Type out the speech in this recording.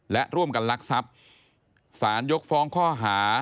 และร่วมกันลักทรัพย์สารยกฟ้องข้อหา